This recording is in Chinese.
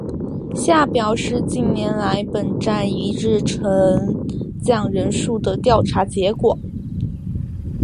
下表是近年来本站一日乘降人数的调查结果。